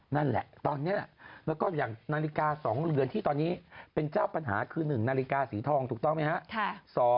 นั่นแหละตอนนี้แล้วก็อย่างนาฬิกา๒เรือนที่ตอนนี้เป็นเจ้าปัญหาคือ๑นาฬิกาสีทองถูกต้องไหมครับ